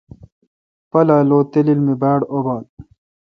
پالا لو تلیل می باڑ ابال؟